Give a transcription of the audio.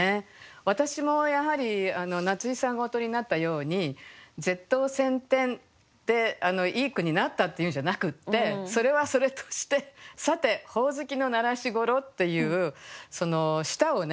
私もやはり夏井さんがおとりになったように舌頭千転でいい句になったっていうんじゃなくってそれはそれとして「さて鬼灯の鳴らしごろ」っていうその舌をね